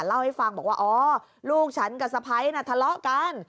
เล่าให้ฟังบอกว่าอ๋อลูกฉันกับสะพ้ายน่ะทะเลาะกัน